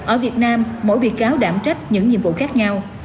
ở việt nam mỗi bị cáo đảm trách những nhiệm vụ khác nhau